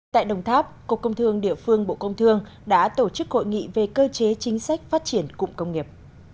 tại đồng tháp cục công thương địa phương bộ công thương đã tổ chức hội nghị về cơ chế chính sách phát triển cụm công nghiệp